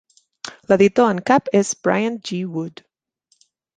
L'editor en cap és Bryant G. Wood.